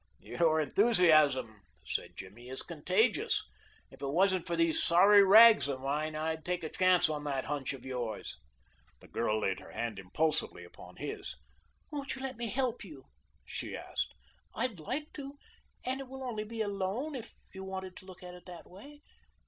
"Your enthusiasm," said Jimmy, "is contagious. If it wasn't for these sorry rags of mine I'd take a chance on that hunch of yours." The girl laid her hand impulsively upon his. "Won't you let me help you?" she asked. "I'd like to, and it will only be a loan if you wanted to look at it that way.